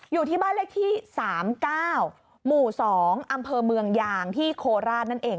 อยู่ที่บ้านเลขที่๓๙หมู่๒อำเภอเมืองยางที่โคราชนั่นเอง